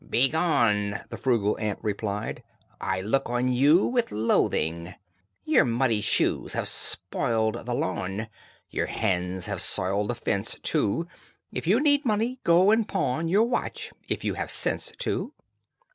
"Begone!" the frugal ant replied. "I look on you with loathing. Your muddy shoes have spoiled the lawn, Your hands have soiled the fence, too. If you need money, go and pawn Your watch if you have sense to."